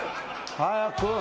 早く。